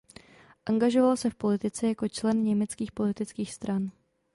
Angažoval se v politice jako člen německých politických stran.